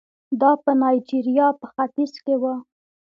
دا په نایجریا په ختیځ کې وو.